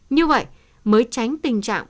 như vậy mới tránh tình trạng